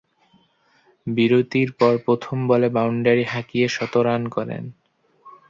বিরতির পর প্রথম বলে বাউন্ডারি হাঁকিয়ে শতরান করেন।